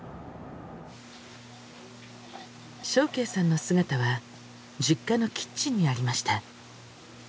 祥敬さんの姿は実家のキッチンにありました。